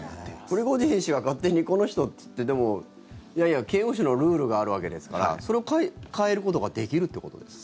プリゴジン氏が勝手にこの人って言ってでも、刑務所のルールがあるわけですからそれを変えることができるってことですか？